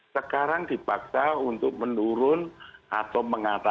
sekarang dipaksa untuk menurun atau mengatakan